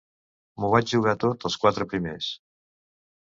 M'ho vaig jugar tot als quatre primers.